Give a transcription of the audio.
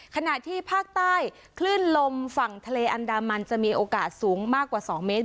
ขณะที่ภาคใต้คลื่นลมฝั่งทะเลอันดามันจะมีโอกาสสูงมากกว่า๒เมตร